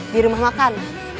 di rumah makan